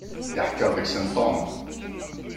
Iḥekker deg-sen Tom.